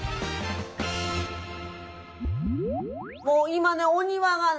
もう今ねお庭がね